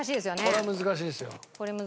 これ難しいですよ。